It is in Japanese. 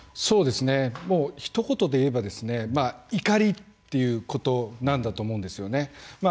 そうですねひと言で言えばですね怒りということなんだと思うんですよね。